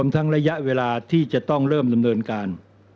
ทั้งระยะเวลาที่จะต้องเริ่มดำเนินการ